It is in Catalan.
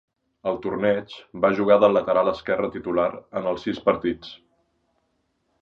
Al torneig, va jugar de lateral esquerre titular en els sis partits.